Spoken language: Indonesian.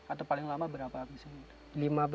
atau paling lama berapa abis itu